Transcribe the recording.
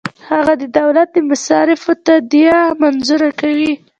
هغه د دولت د مصارفو تادیه منظوره کوي.